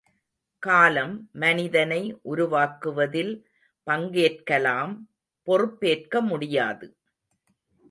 காலம் மனிதனை உருவாக்குவதில் பங்கேற்கலாம் பொறுப்பேற்க முடியாது.